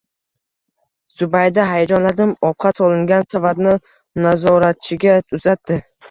Zubayda hayajonlanib ovqat solingan savatni nazoratchiga uzatdi